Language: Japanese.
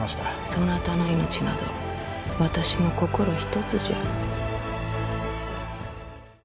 そなたの命など私の心ひとつじゃ。